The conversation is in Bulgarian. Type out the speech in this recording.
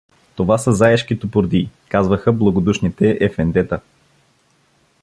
„Това са заешки тупурдии“, казваха благодушните ефендета.